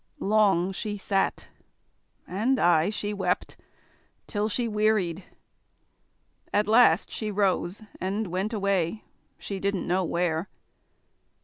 Long she sat, and aye she wept, till she wearied. At last she rose and went away, she didn't know where.